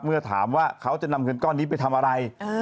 เมื่อถามว่าเขาจะนำเงินก้อนนี้ไปทำอะไร